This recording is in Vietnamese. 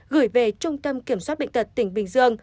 gửi về trung tâm kiểm soát bệnh tật tỉnh bình dương